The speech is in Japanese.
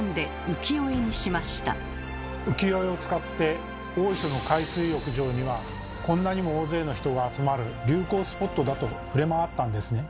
浮世絵を使って大磯の海水浴場にはこんなにも大勢の人が集まる流行スポットだと触れ回ったんですね。